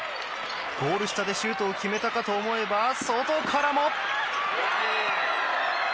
ゴール下でシュートを決めたかと思えば、外からも！